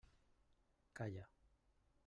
Calla!